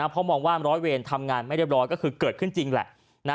เพราะมองว่าร้อยเวรทำงานไม่เรียบร้อยก็คือเกิดขึ้นจริงแหละ